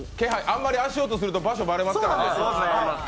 あんまり足音するとバレますからね。